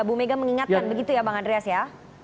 bu mega mengingatkan begitu ya bang andreas ya